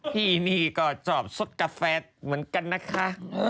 ที่นี่ก็ชอบสดกาแฟเหมือนกันนะคะ